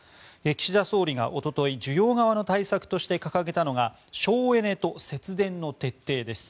岸田総理がおととい需要側の対策として掲げたのは省エネと節電の徹底です。